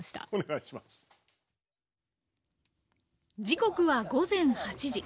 時刻は午前８時。